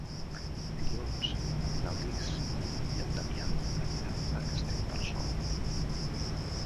Dilluns na Lis i en Damià aniran a Castellterçol.